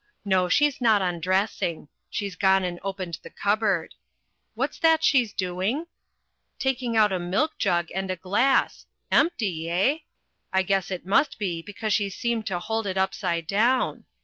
No, she's not undressing she's gone and opened the cupboard. What's that she's doing taking out a milk jug and a glass empty, eh? I guess it must be, because she seemed to hold it upside down.